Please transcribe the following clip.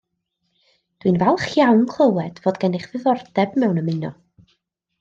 Dwi'n falch iawn clywed fod gennych ddiddordeb mewn ymuno